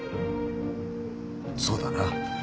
そうだな。